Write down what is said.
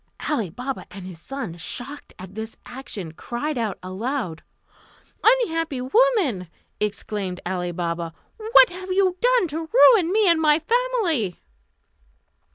Ali Baba and his son, shocked at this action, cried out aloud. "Unhappy woman!" exclaimed Ali Baba, "what have you done to ruin me and my family?"